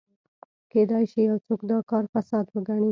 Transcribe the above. کېدای شي یو څوک دا کار فساد وګڼي.